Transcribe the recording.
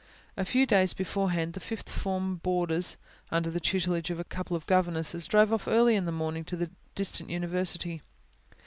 A few days beforehand, the fifth form boarders, under the tutelage of a couple of governesses, drove off early in the morning to the distant university.